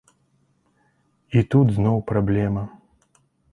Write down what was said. І тут зноў праблема.